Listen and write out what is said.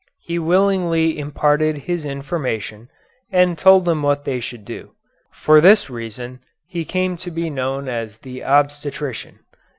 He willingly imparted his information, and told them what they should do. For this reason he came to be known as the Obstetrician."